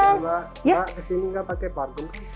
mbak kesini gak pakai parfum